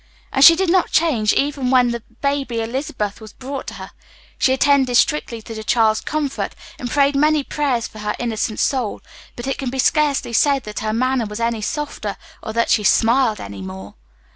And she did not change, even when the baby Elizabeth was brought to her. She attended strictly to the child's comfort and prayed many prayers for her innocent soul, but it can be scarcely said that her manner was any softer or that she smiled more.